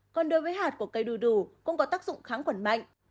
còn đối với hạt của cây đu đủ cũng có tác dụng kháng khuẩn mạnh